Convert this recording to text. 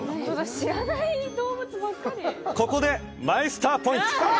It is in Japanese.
ここでマイスターポイントうわ！